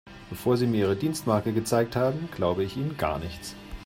Bevor Sie mir Ihre Dienstmarke gezeigt haben, glaube ich Ihnen gar nichts.